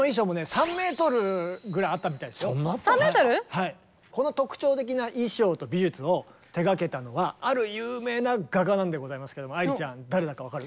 ３メートル⁉この特徴的な衣装と美術を手がけたのはある有名な画家なんでございますけど愛理ちゃん誰だか分かる？